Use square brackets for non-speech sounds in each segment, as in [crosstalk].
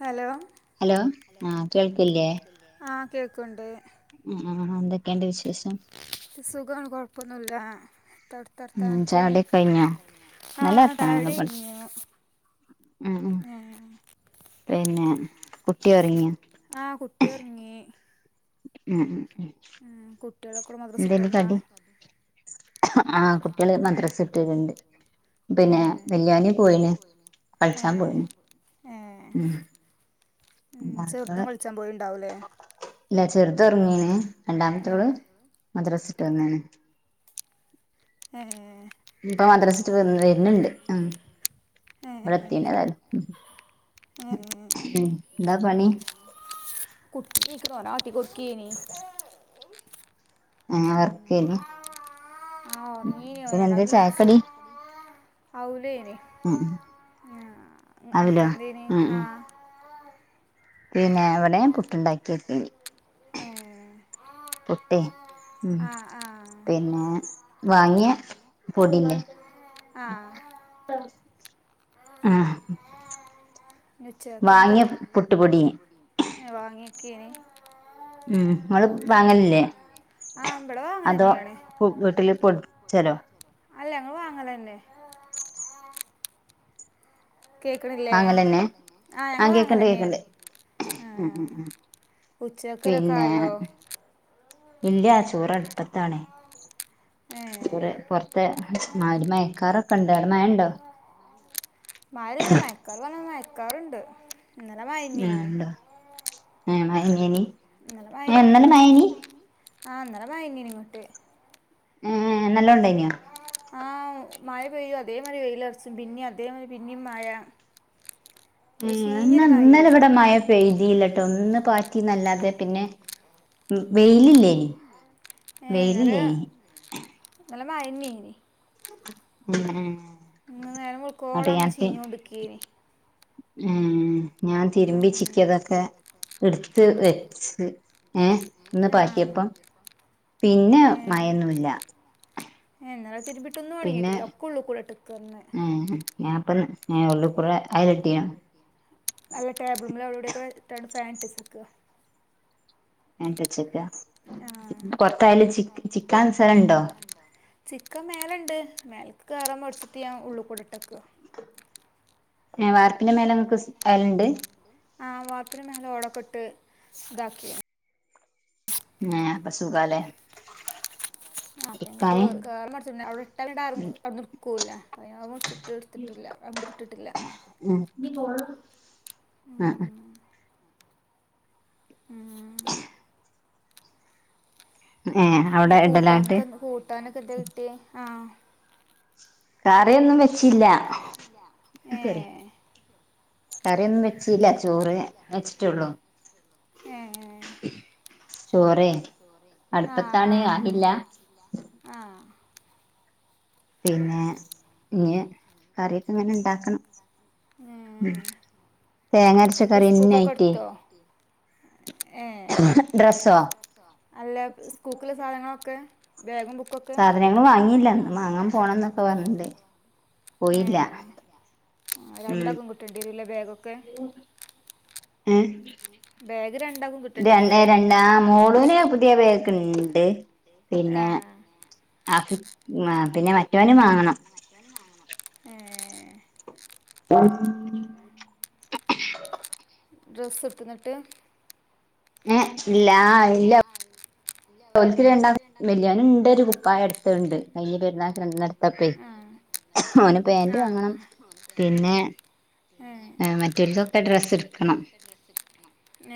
Hello hello ആഹ് കേൾക്കില്ലേ കേൾക്കുന്നില്ലേ ആഹ് കേക്ക്ണ്ട് ആഹ് ആഹ് എന്തൊക്കെണ്ട് വിശേഷം? സുഖാണ് കുഴപ്പൊന്നില്ല. എന്താ അവിടത്തെ ഉം വർത്താനൊക്കെ ചായുടിയൊക്കെ കഴിഞ്ഞോ ആ നല്ല ചായ വർത്താനങ്ങള് കുടി പ കഴിഞ്ഞു. ഉം ഉം ആഹ് ആഹ് പിന്നെ കുട്ടി ഒറങ്ങിയോ ആഹ് കുട്ടി ഒറങ്ങി. ഉം ഉം ഉം ഉം കുട്ടികളെക്കൂടെ മദ്രസ് എന്തേനി വിട്ടെന്ന? കടി ആഹ് കുട്ടികള് മദ്രാസ ഇട്ടരുണ്ട്. പിന്നെ ഏ വല്യൺ പോയിന് കളിച്ചാൻ പോയിന് ഏ ഉം ഉം ചെറുതും രണ്ടാമത്തോള് കളിച്ചാൻ പോയിണ്ടാവലേ? ഇല്ല ചെറുത് ഉറങ്ങീന് ഏ രണ്ടാമത്തോള് മദ്രാസ ഇട്ട് വന്നാണ്. ഏഹ് ഇപ്പൊ മദ്രസ വിട്ട് വന്ന് വരുന്നുണ്ട് ഉം ഏഹ് ഇവിടെ ഏഹ് എത്തീണ് ഏതായാലും ഉം എന്താ പണി [unintelligible] ട്ടി കുട്ടീനി ഏഹ് ഉം വർക്കേനി ആഹ് ഉറങ്ങീനി പിന്നെ എന്താ രണ്ടാമത് നീച്ചി ചായക്കടി ഔലേനി ഉം ഉം അവലോ അനക്കെന്തേനി ഉം ഉം ആഹ് പിന്നെ അവിടേം പുട്ടുണ്ടാക്കി എത്തി ഏഹ് പുട്ടേ ഉം ആ പിന്നെ വാങ്ങിയ പൊടില്ലേ ആ ആഹ് പിന്നെ ഉച്ചേത്തെന്താ വാങ്ങിയ പുട്ടുപൊടി വാങ്ങിക്കീനി ഉം ഇങ്ങള് വാങ്ങലില്ലേ ആ ഇവിടെ വാങ്ങൽ അതോ തന്നെയാണ് പ്പ് വീട്ടിൽ പൊട് ചലോ. അല്ല ഇങ്ങ വാങ്ങലന്നെ കേൾക്കണില്ലേ വാങ്ങലെന്നെ ആ ഞങ്ങൾ ആഹ് വാങ്ങൽ കേക്കണ്ട് തന്നെയാണ് കേക്കണ്ട്. ആ ഉ ഉം ഉം ഉച്ചക്കിലൊക്കെ പിന്നെ ആയോ ഇല്ല്യ ചോറ് അടുപ്പത്താണേ ഏ റെ പൊറത്ത് മാരി മയക്കാറൊക്കെണ്ട് അവിടെ മഴണ്ടോ? മഴല്ല മയക്കാർ പറഞ്ഞ മയക്കാറുണ്ട്. ഇന്നല മയ ആണ്ടോ ആ മഴ എങ്ങനി ഇന്നലെ മയനീനി ആഹ് അന്നലെ മയനേനി ഇങ്ങോട്ട് ആഹ് നല്ലോണ്ടായിനോ? ആഹ് മഴ പെയ്യു അതേമാരി വെയിലൊറച്ചും പിന്നേം അതേമാതി പിന്നീം മഴ ഒരു ഏഹ് എന്നാ ചീഞ്ഞൊരു ഇന്നല മഴയേനി ഇവിടെ മയ പെയിതീല്ലട്ടോ ഒന്ന് പാറ്റിന്നല്ലാതെ പിന്നെ വെയിലില്ലേനി ഏഹ് ഇന്നല വെയിലില്ലേനി നല്ല മയന്നേനി ഉം ഉം ഇന്ന് നേരം വെള്കൊളം അങ്ങനെ ചീഞ്ഞ് കൊണ്ടിക്കേനി ഉം ഞാൻ തിരുമ്പി ഉം. ചിക്കിയതൊക്കെ എടുത്ത് വെച്ച് ഏഹ് ഒന്ന് ആ പറ്റിയപ്പം പിന്നെ മയൊന്നുല്ല ഏഹ് ഇന്നല തിരുമ്പിട്ടൊന്നും ഒണങ്ങിട്ടില്ല ഒക്കെ ഉള്ളൂകൂടെ ഇട്ട്ക്കാന്ന് മ്ഹ് ഞാൻപ്പ ഞാ ഉള്ളിക്കൂടെ അയകെട്ടിയാ അല്ല ടേബിൾ മൽ അവിടെയൊക്കെയിട്ട് ഫാൻ ഇട്ട് വെച്ചക്ക്. ഫാൻ ഇട്ട് വെച്ചക്ക് ആ പൊറത്തായാലും ചി, ചിക്കാൻ സ്ഥലണ്ടോ? ചിക്കാൻ മേലണ്ട്, മേലക്ക് കേറാൻമടിച്ചിട്ട് ഞാൻ ഉള്ള് കൂടെ ഇട്ടക്ക്. ഏഹ്, വാർപ്പിന്റെ മേലെ ഇങ്ങക്ക് സ് അയല്ണ്ട്. ആ വാർപ്പിന്റെ മേലെ ഓടൊക്കെട്ട് ഇതാക്കിയിണ്. ആഹ്, അപ്പ സുഖാലേ. അപ്പ ഞാൻ ഇപ്പോ കേറാൻ മടിച്ച് അവ്ടെ ഇട്ട എന്താ അവിട്ന്ന് ഇട്ക്കൂല്ല. അപ്പ അയിന് മട്ച്ചിട്ട് ഇട്ത്ത് ട്ടില്ല. അപ്പ ഇട്ടിട്ടില്ല. ആഹ്, ഇഞ്ഞ് പോണം. ആഹ്, ആഹ് ആഹ് ഏഹ് ഇത് അവിടെ ഇടലാട്ട് കൂട്ടാൻക്ക് എന്ത് കൂട്ടാനൊക്കെ എന്തെ കിട്ടിയെ? ആഹ്. കറിയൊന്നും വെ കറിയൊന്നും വെച്ചില്ല. ഏഹ് കറിയൊന്നും വെച്ചീല്ല ചോറ് വെച്ചിട്ടൊള്ളൂ. ഏ ചോറേ, ആഹ് അട്പ്പത്താണ് ആഹ് ആയില്ല. ആഹ് പിന്നെ, ഇഞ്ഞ് കറിയൊക്കെ ഇങ്ങനെ ഇണ്ടാക്കണം. ഉം, തേങ്ങരച്ച കറിന്നെ ആയിറ്റേ ഏഹ് ഡ്രസ്സോ അല്ല സ്കൂൾക്ക്ള്ള സാധനങ്ങളൊക്കെ ബാഗും ബുക്കൊ സാധനങ്ങൾ വാങ്ങിയില്ല. ഇന്ന് മാങ്ങാൻ പോണം എന്നൊക്കെ പറഞ്ഞിണ്ട്. ഏ പോയില്ല. ഉം രണ്ടാക്കും കിട്ടേണ്ടി വരൂല്ലേ ബാഗൊക്കെ ഏഹ് ബാഗ് രണ്ടാകും രണ്ടേ രണ്ടാ മോളൂന് പുതിയ ബാഗ്ണ്ട്. പിന്നെ, ആഹ് [unintelligible] പിന്നെ മറ്റോന് വാങ്ങണം. ഏ ത [inaudible] ഡ്രസ്സ് ഇട്ത്ത് ഇങ്ങട്ട്? ഏഹ്, ഇല്ലാ ഇല്ലം ഓൽക്ക് രണ്ടാക്കും വെല്ല്യോന് ഇണ്ട് ഒര് കുപ്പായ ഇട്ത്തെ ഇണ്ട്. കഴിഞ്ഞ പെരുന്നാക്ക് രണ്ടണ്ണട്ത്തപ്പേ. ആഹ് ഓന് പാൻറ് ആ വാങ്ങണം. പിന്നെ, ഏ ഏഹ്, മറ്റോൽക്കൊക്കെ ഡ്രസ്സ് ഇട്ക്കണം. ഡ്രസ്സ്‌ ഇട്ക്കണം.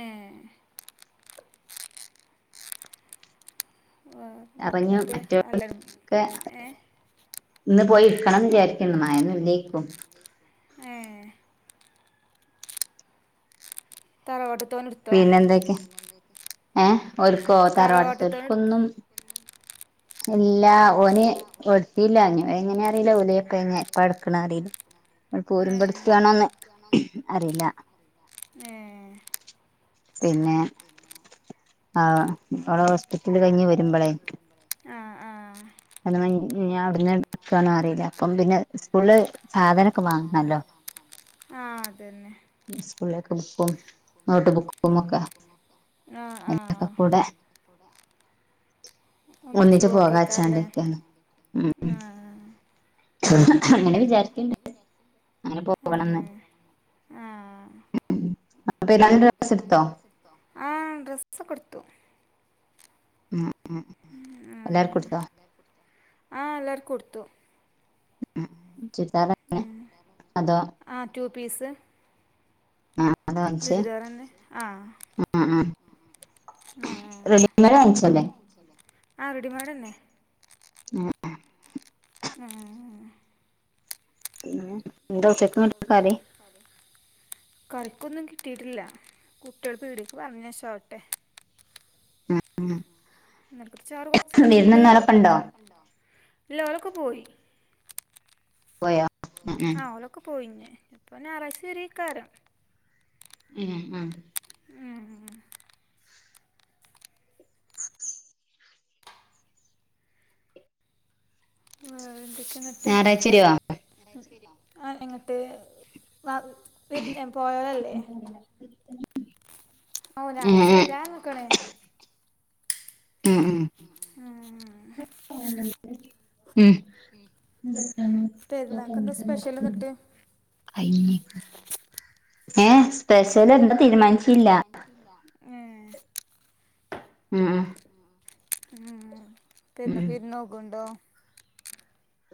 ഏഹ് വേറെന്തൊക്കെ അരിഞ്ഞു എന്നിട്ട് അല്ല മറ്റോൽക്കൊക്കെ ഏ ഇന്ന് പോയി ഇരിക്കണംന്ന് വിചാരിക്ക്ണ്ട് മഴൊന്നും ഇല്ലേക്കും. ഏഹ് ആ ഇവട്ത്തോന് ഇട് പിന്നെ എന്തൊക്കെ? ഏഹ്, ഓൽക്കോ തറവാട്ടത്തോൻ എടുത്ത് തറവാട്ട്ത്തോൽക്കൊന്നും ഇല്ല. ഓന് ഓര് ഇട്ത്തീല്ല ഇഞ്ഞ് എങ്ങനെ അറീ ല. ഓല് ഇപ്പ ഇഞ്ഞ് ഇപ്പ എട്ക്കണ അറീല. ഓള് ഏ പോര്മ്പ ഇട്ത്ത് ആണോന്ന് അറിയില്ല. ഏഹ് പിന്നെ, ആ ഓളെ ഹോസ്പിറ്റല് കഴിഞ്ഞ് വര്മ്പളേ ആഹ്, ആഹ് അങ്ങനെ ഇഞ്ഞ് അവിട്ന്ന് ഇട്ക്ക് ആണോ അറീല. അപ്പം പിന്നെ സ്കൂളിൽ സാധന ഒക്കെ വാങ്ങണല്ലോ? ആ അതന്നെ ഈസ്കൂളിലേക്കെ ബുക്കും നോട്ട് ബുക്കും ഒക്കെ ആഹ് അതിനൊക്കെ ആഹ് കൂടെ ഒന്നിച്ച് പോക്കേക്കാരല്ലേ പോകച്ചാണ്ടക്കെയാണ് ഉം ഉം ആ അങ്ങനെ വിചാരിക്ക്ണ്ട് അങ്ങനെ ആ പോകണഎന്ന് ആ ഉം അപ്പ ഏലാരു ഡ്രസ്സ്‌ എടുത്തോ എടുത്തോ ആഹ് ഡ്രെസ്സ്ക്കെടുത്തു ഉം ഉം എല്ലാർകെടുത്ത ആഹ് എല്ലാർ കൊടുത്തു ഉം ചുരിദാർ ഒക്കെ അതോ ആഹ് റ്റു പീസ് ഉം ചുരിദാറന്നെ ആഹ് ഉം ഉം ഉം ഉം ഉം ഉം വാങ്ങിച്ചല്ലേ റെഡിമെയ്ഡ് വാങ്ങിചെ അല്ല? ആഹ് റെഡിമെഡന്നേ ആഹ് ആഹ് ആഹ് ആഹ് ആഹ് പിന്ന എന്ത ഉച്ച എന്താ ഉച്ചക്ക് കറിക്കൊന്നും കിട്ടിട്ടില്ല കുട്ടികൾ പീടക്ക് പറഞ്ഞശവട്ടെ ആഹ് [unintelligible] കുട്ച്ചാറ് കൊറച്ച് ഇണ്ട് വിരുന്ന് ഇന്നാലൊക്കെ ഇന്നു നിനക്ക് ഉണ്ടോ ഇല്ലാഒരൊക്കെ പോയി പോയാ ആഹ് ഓളൊക്കെ പോയിഞ് ഇപ്പൊഞായറാഴ്ച വരെക്കാരം ആഹ് ആഹ് ഉം ഉം എന്തൊക്കെ എങ്ങട്ട് ഞായറാഴ്ച വരുവോ ഞാറച്ച വര്നൊ ആഹ് എങ്ങട്ട് വാവ് വിരിന്നെ പോയതല്ലേ ഓഹ് ഉം ഞാറച്ച ഉം വരാൻ നോക്കണേ ഉം ഉം ഉം ഉം ഉം പെരുന്നാൾക്ക് എന്താ സ്പെഷ്യൽ [unintelligible] എന്നിട്ട് ഹായ്മ്മി ഏഹ് സ്പെഷ്യൽ എന്താ തീരുമാനിച്ചില്ല ഏഹ് ഉം ഉം ഉം ഉം പിന്ന ഉം വിരുന്നോക്കൊണ്ടോ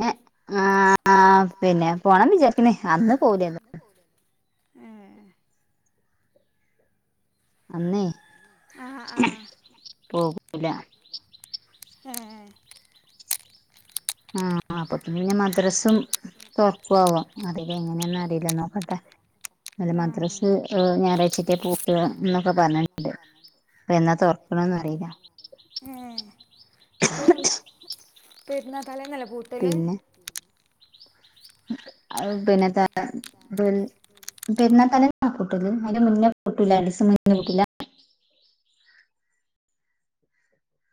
ഏഹ് ആഹ് പിന്നെ പോണം വിചാരിക്കുന്നേ അന്ന് പോലന്നു ഏ അന്നേ ആഹാ ആഹ് ഇല്ല ഏഹ് ആഹ് അപ്പൊ പിന്നെ മദ്രസും സ്വർക്ക്ആവ അറില എങ്ങനെയെന്ന് അറില്ല നോക്കട്ടെ അല്ല ആഹ് മദ്രസ് ഞായറാഴ്ച്ചക്കെ പൂട്ടാ ഇന്നൊക്കെ പർഞ്ഞെട്ടി അപ്പൊ എന്നാ തോറക്ണത്ന്ന് അറീല്ല ഏഹ് ഇപ്പോ ഓ പേര്ന്നാ തലെന്നല്ലേ പോ പിന്നെ അത് പിന്നെ ത [unintelligible] പെര്ന്നാ തലേന്നാ പൂട്ടല് അയിന്റെ മുന്നെ പൂട്ടൂല അയിന്റെ രണ്ടിസം മുന്നെ പൂട്ടൂല